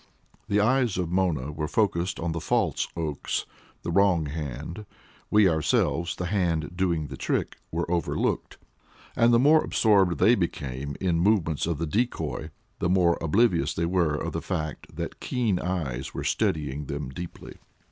The eyes of Mona were focused on the false Oakes the wrong hand; we ourselves the hand doing the trick were over looked. And the more absorbed they became in the movements of the decoy, the more oblivious were they of the fact that keen eyes were studying them deeply.